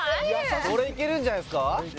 これいけるんじゃないすか？